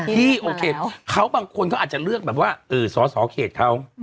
ที่โอเคเขาบางคนเขาอาจจะเลือกแบบว่าสอสอเขตเขา